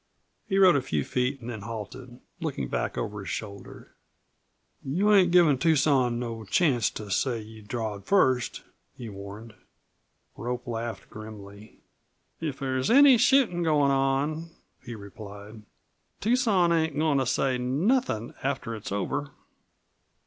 He rode a few feet and then halted, looking back over his shoulder. "You ain't givin' Tucson no chancst to say you drawed first?" he warned. Rope laughed grimly. "If there's any shootin' goin' on," he replied, "Tucson ain't goin' to say nothin' after it's over."